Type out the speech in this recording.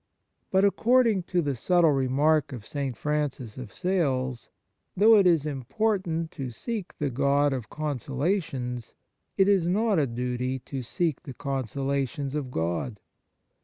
But, according to the subtle remark of St. Francis of Sales, though it is important "to seek the God of con solations, it is not a duty to seek the consolations of God."